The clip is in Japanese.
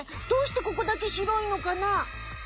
どうしてここだけ白いのかな？